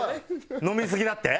飲みすぎだって？